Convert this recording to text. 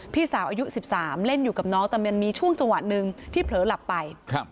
พี่สาวอายุ๑๓เล่นอยู่กับน้องแต่มันมีช่วงจังหวะหนึ่งที่เผลอหลับไป